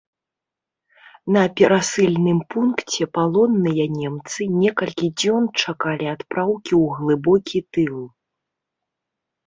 На перасыльным пункце палонныя немцы некалькі дзён чакалі адпраўкі ў глыбокі тыл.